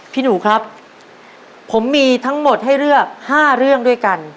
พี่หนูครับผมมีทั้งหมดให้เลือก๕เรื่องด้วยกัน